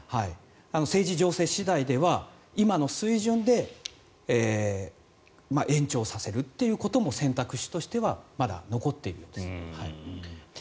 政治情勢次第では今の水準で延長させるということも選択肢としてはまだ残っているようです。